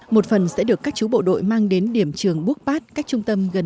một phần sẽ được các chú bộ đội mang đi theo hai hướng một phần sẽ được các chú bộ đội mang đi theo hai hướng